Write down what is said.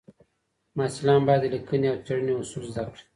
محصلان باید د لیکنې او څېړنې اصول زده کړي.